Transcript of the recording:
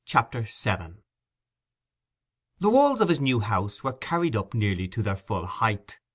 CHAPTER VII The walls of his new house were carried up nearly to their full height.